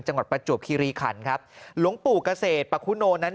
ประจวบคิริขันครับหลวงปู่เกษตรปะคุโนนั้น